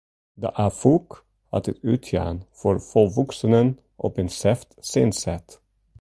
De Afûk hat it útjaan foar folwoeksenen op in sêft sin set.